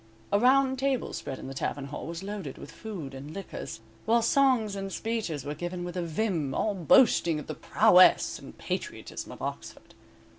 A round table spread in the tavern hall was loaded with food and liquors, while songs and speeches were given with a vim, all boasting of the prowess and patriotism of Oxford.